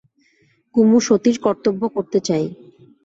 কুমু সতীর কর্তব্য করতে চায়।